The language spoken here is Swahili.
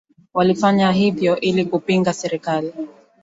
walifanya hivyo ili kupinga serikali